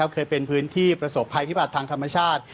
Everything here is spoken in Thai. เคยเป็นพื้นที่ประสบภัยพิบัติทางธรรมชาติ